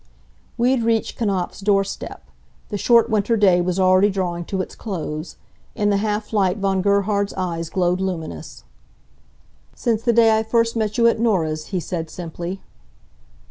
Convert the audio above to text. We had reached Knapfs' door step. The short winter day was already drawing to its close. In the half light Von Gerhard's eyes glowed luminous. "Since the day I first met you at Norah's," he said, simply.